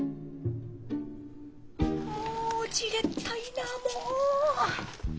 もうじれったいなもう。